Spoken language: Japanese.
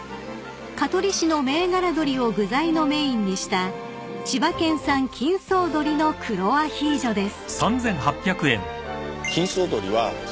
［香取市の銘柄鶏を具材のメインにした千葉県産錦爽どりの黒アヒージョです］